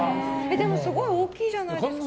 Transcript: でもすごい大きいじゃないですか。